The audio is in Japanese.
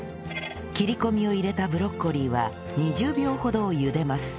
切り込みを入れたブロッコリーは２０秒ほどゆでます